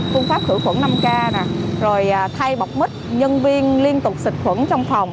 phương pháp khử khuẩn năm k rồi thay bọc mít nhân viên liên tục xịt khuẩn trong phòng